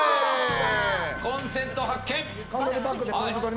コンセント発見！